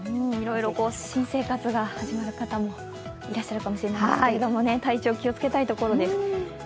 いろいろ新生活が始まる方もいらっしゃるかもしれないですけれども、体調気をつけたいところです。